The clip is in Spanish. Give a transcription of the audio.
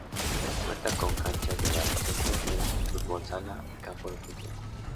Cuenta con canchas de baloncesto, tenis, fútbol sala y campo de fútbol.